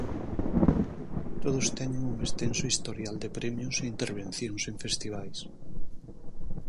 Todos teñen un extenso historial de premios e intervencións en festivais.